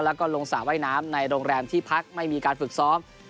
แล้วก็ลงสระว่ายน้ำในโรงแรมที่พักไม่มีการฝึกซ้อม